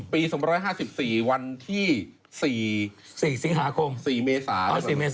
ปี๒๕๕๔วันที่๔เมษา